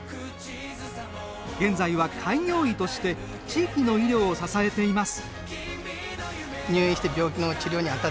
現在は開業医として地域の医療を支えています。